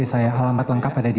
saya sebagai ahli